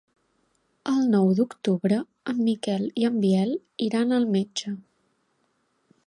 El nou d'octubre en Miquel i en Biel iran al metge.